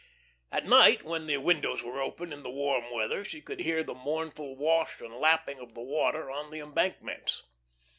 At night, when the windows were open in the warm weather, she could hear the mournful wash and lapping of the water on the embankments.